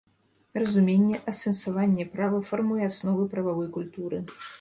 Разуменне, асэнсаванне права фармуе асновы прававой культуры.